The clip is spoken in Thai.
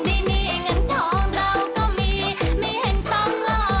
มีทองทุ่มหัวและไม่มีผัว